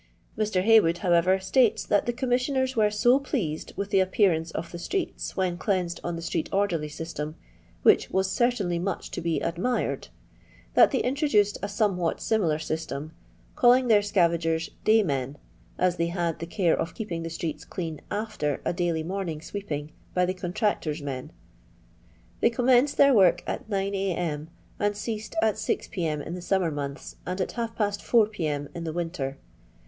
Mr. Haywood, howerer, states that the Com missioners were so pleased with the appearance of the streets, when cleansed on the street orderly system, which "was certainly much to he ad mired, that they introduced a somewhat similar system, calling their scaTngers " daymen," as they had the care of keeping the streets clean, e^fier a daily morning sweeping by the contractor's men'. They commenced their work at 9 A.M. and ceased at 6 P.M. in the summer months, and at half past 4 P.1C. in the winter.